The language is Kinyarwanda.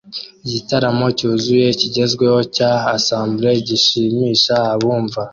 Igitaramo cyuzuye kigezweho cya ansemble gishimisha abumva